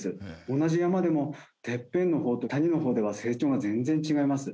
同じ山でもてっぺんの方と谷の方では成長が全然違います。